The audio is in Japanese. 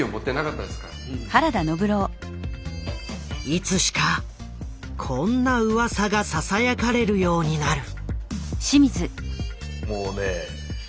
いつしかこんなウワサがささやかれるようになる。